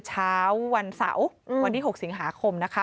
เช้าวันเสาร์วันที่๖สิงหาคมนะคะ